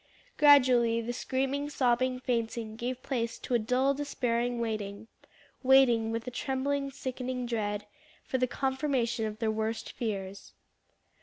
Gradually the screaming, sobbing, fainting, gave place to a dull despairing waiting, waiting, with a trembling, sickening dread, for the confirmation of their worst fears.